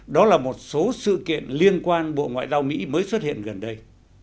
đó là một số sự kiện liên quan bộ ngoại giao mỹ mới xuất hiện gần đây